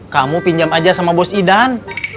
kamu pinjam aja sama bos idan